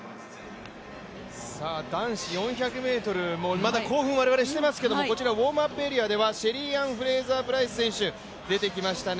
男子４００ｍもまだ興奮、我々してますけれども、こちら、ウォームアップエリアではシェリーアン・フレイザー・プライス選手出てきましたね。